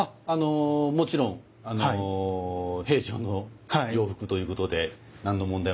もちろん平常の洋服ということで何の問題もございません。